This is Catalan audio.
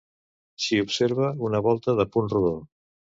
S'hi observa una volta de punt rodó.